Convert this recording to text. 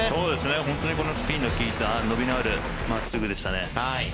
本当にこのスピンの利いた伸びのある真っすぐでしたね。